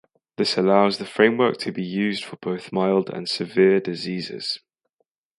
This allows the framework to be used for both mild and severe diseases.